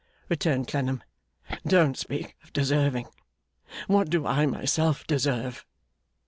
returned Clennam, 'don't speak of deserving. What do I myself deserve!